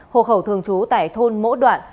hồ khẩu thường trú tại thôn mỗ đoạn